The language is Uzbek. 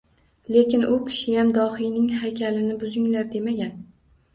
Lekin u kishiyam dohiyning haykalini buzinglar demagan